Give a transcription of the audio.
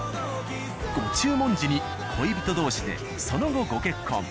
ご注文時に恋人同士でその後ご結婚。